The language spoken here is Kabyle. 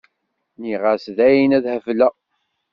Nniɣ-as dayen ad hebleɣ.